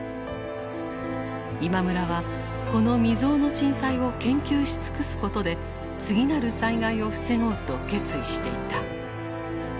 今村はこの未曽有の震災を研究し尽くすことで次なる災害を防ごうと決意していた。